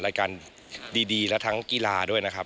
รายการดีและทั้งกีฬาด้วยนะครับ